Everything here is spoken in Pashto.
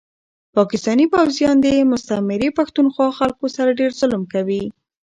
پاکستاني پوځيان دي مستعمري پښتونخوا خلکو سره ډير ظلم کوي